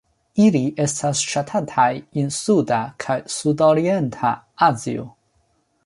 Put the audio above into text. Ili estas ŝatataj en suda kaj sudorienta Azio.